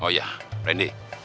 oh ya rendy